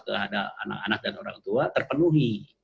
terhadap anak anak dan orang tua terpenuhi